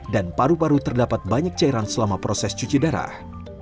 dan paru paru terdapat banyak cairan selama proses cuci darah